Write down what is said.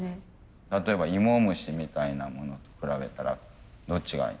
例えば芋虫みたいなものと比べたらどっちが。